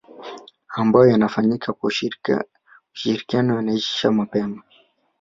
mambo yakifanyika kwa ushirikiano yanaisha mapema